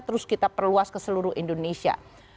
terus kita perluas ke seluruh indonesia